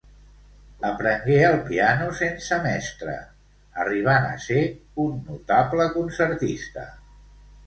Aprengué el piano sense mestre, arribant a ser un notable concertista.